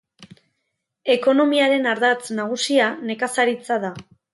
Ekonomiaren ardatz nagusia nekazaritza da.